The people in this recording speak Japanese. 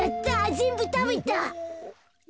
ぜんぶたべた。